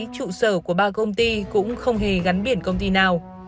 trụ sở của ba công ty cũng không hề gắn biển công ty nào